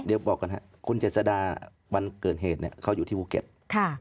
เดี๋ยวบอกก่อนค่ะคุณเจษฎาวันเกิดเหตุเขาอยู่ที่ภูเก็ต